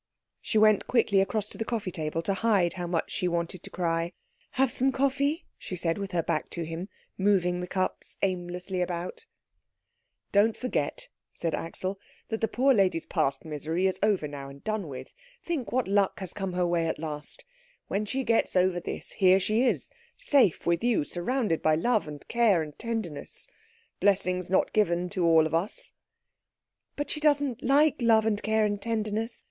She went quickly across to the coffee table to hide how much she wanted to cry. "Have some coffee," she said with her back to him, moving the cups aimlessly about. "Don't forget," said Axel, "that the poor lady's past misery is over now and done with. Think what luck has come in her way at last. When she gets over this, here she is, safe with you, surrounded by love and care and tenderness blessings not given to all of us." "But she doesn't like love and care and tenderness.